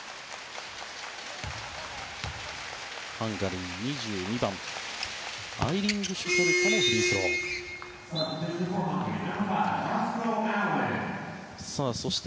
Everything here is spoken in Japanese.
ハンガリー、２２番アイリングシュフェルトのフリースローでした。